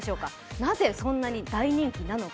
なぜそんなに大人気なのか。